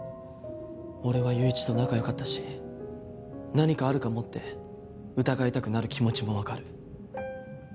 俺は友一と仲良かったし何かあるかもって疑いたくなる気持ちもわかる。